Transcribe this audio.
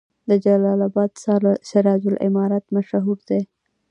د جلال اباد سراج العمارت مشهور دی